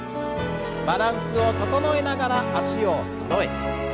バランスを整えながら脚をそろえて。